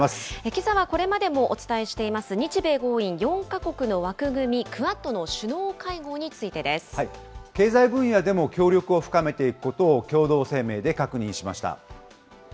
けさはこれまでもお伝えしています、日米豪印４か国の枠組み、クアッドの首脳会合についてです。経済分野でも協力を深めていくことを共同声明で確認しました。